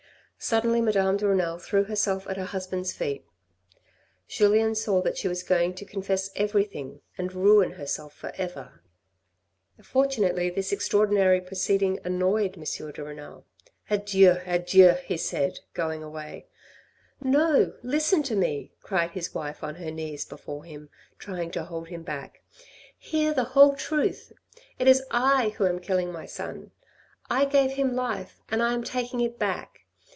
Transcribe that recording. Suddenly Madame de Renal threw herself at her husband's feet; Julien saw that she was going to confess everything and ruin herself for ever. Fortunately this extraordinary proceeding annoyed M. de Renal. " Adieu ! Adieu !" he said, going away. " No, listen to me," cried his wife on her knees before him, trying to hold him back. " Hear the whole truth. It is I who am killing my son. I gave him life, and I am taking it back.